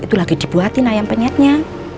itu lagi dibuatin ayam penyetnya